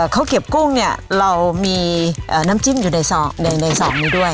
ข้าวเก็บกุ้งเนี่ยเรามีน้ำจิ้มอยู่ในซองนี้ด้วย